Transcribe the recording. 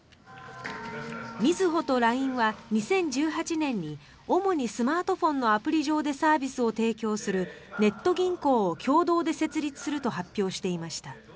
みずほとＬＩＮＥは２０１８年に主にスマートフォンのアプリ上でサービスを提供するネット銀行を共同で設立すると発表していました。